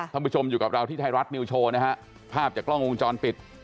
ผู้ชมอยู่กับเราที่ไทยรัฐนิวโชว์นะฮะภาพจากกล้องวงจรปิด